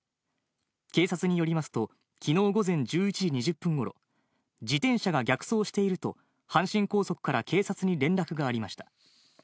警察によりますと、きのう午前１１時２０分ごろ、自転車が逆走していると、阪神高速から警察に連絡がありました。